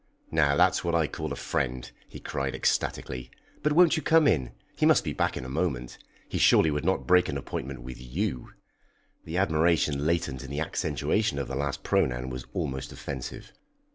"Now that's what I call a friend!" he cried ecstatically. "But won't you come in? He must be back in a moment. He surely would not break an appointment with you." The admiration latent in the accentuation of the last pronoun was almost offensive.